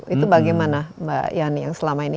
itu bagaimana mbak yani yang selama ini